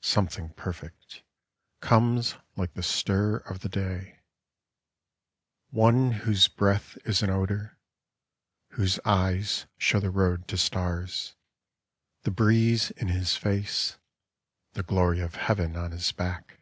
Something perfect. Comes like the stir of the day ; One whose breath is an odour, Whose eyes show the road to stars. The breeze in his face. The glory of Heaven on his back.